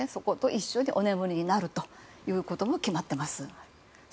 一緒にお眠りになるということも決まっています。